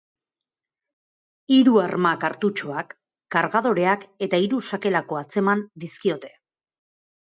Hiru arma kartutxoak, kargadoreak eta hiru sakelako atzeman dizkiote.